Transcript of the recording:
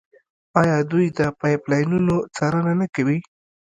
آیا دوی د پایپ لاینونو څارنه نه کوي؟